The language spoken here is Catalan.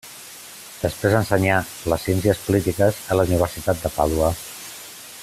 Després ensenyà les ciències polítiques a la Universitat de Pàdua.